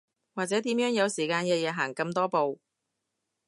或者點樣有時間日日行咁多步